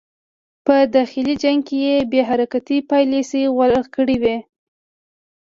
په داخلي جنګ کې یې بې حرکتي پالیسي غوره کړې وه.